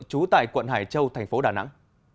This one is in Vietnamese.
trú tại quận hải châu tp đà nẵng